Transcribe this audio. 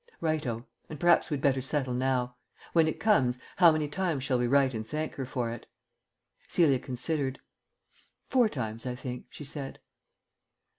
"Right o. And perhaps we'd better settle now. When it comes, how many times shall we write and thank her for it?" Celia considered. "Four times, I think," she said.